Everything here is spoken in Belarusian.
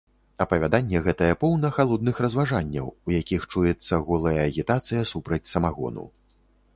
Апавяданне гэтае поўна халодных разважанняў, у якіх чуецца голая агітацыя супраць самагону.